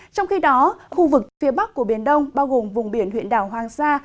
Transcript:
trong khi đó khu vực phía bắc của biển đông bao gồm vùng biển huyện đảo hoàng sa